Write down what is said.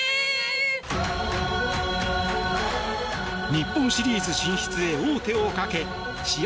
日本シリーズ進出へ王手をかけ試合